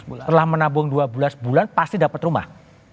setelah menabung dua belas bulan pasti dapat rumah